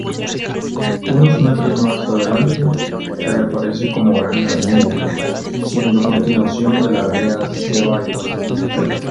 Unos metros más adelante, reaparece como gran avenida, siendo continuación de la "Avenida Zeballos".